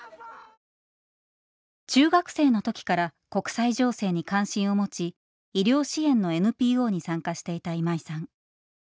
中学生の時から国際情勢に関心を持ち医療支援のＮＰＯに参加していた今井さん。